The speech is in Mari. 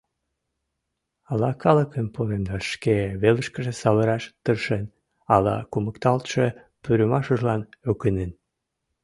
Ала калыкым поремдаш шке велышкыже савыраш тыршен, ала кумыкталтше пӱрымашыжлан ӧкынен.